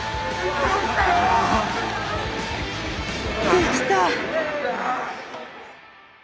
できた。